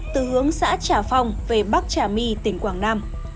từ hướng xã trà phong về bắc trà my tỉnh quảng nam